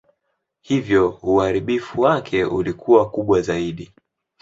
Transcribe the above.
Hivyo uharibifu wake ulikuwa kubwa zaidi.